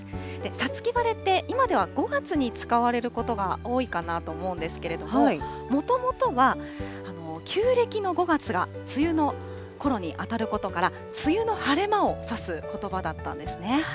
五月晴れって今では５月に使われることが多いかなと思うんですけれども、もともとは旧暦の５月が梅雨の頃に当たることから、梅雨の晴れ間を指すことばだったんですね。